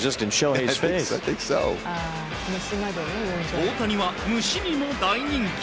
大谷は虫にも大人気。